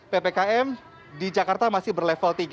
ppkm di jakarta masih berlevel tiga